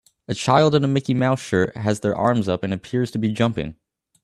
A child in a Mickey Mouse shirt has their arms up and appears to be jumping